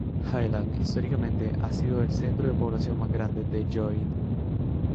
Highland históricamente ha sido el centro de población más grande de Lloyd.